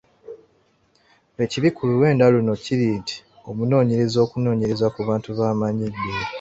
Ekibi ku luwenda luno kiri nti omunoonyereza okunoonyereza ku bantu b’amanyidde.